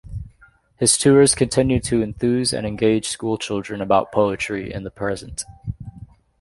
His tours continue to enthuse and engage school children about poetry in the present.